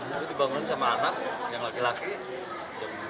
itu dibangun sama anak yang laki laki jam sebelas